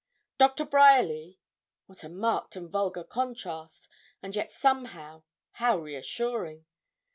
Doctor Bryerly what a marked and vulgar contrast, and yet, somehow, how reassuring!